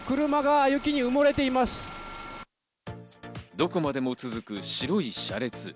どこまでも続く白い車列。